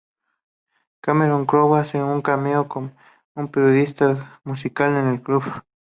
Cameron Crowe hace un cameo como un periodista musical en un club.